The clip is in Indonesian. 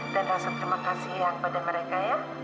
dan rasa terima kasih ayang pada mereka ya